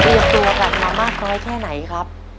พี่ยกตัวแบบน้ำมากร้อยแค่ไหนครับ